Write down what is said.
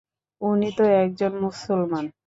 উনি তো একজন মুসলমান।